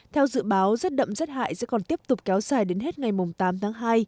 theo dự báo rét đậm rét hại sẽ còn tiếp tục kéo dài đến hết ngày tám tháng hai